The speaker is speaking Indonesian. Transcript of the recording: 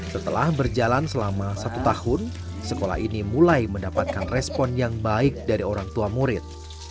setelah berjalan selama satu tahun sekolah ini mulai mendapatkan respon yang baik dari orang tua murid